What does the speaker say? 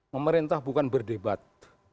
memerintah bukan berdebat